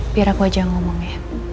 biar aku aja yang ngomong ya